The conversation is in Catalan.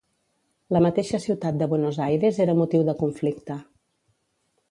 La mateixa ciutat de Buenos Aires era motiu de conflicte.